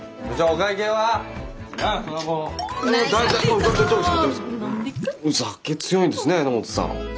お酒強いんですね榎本さん。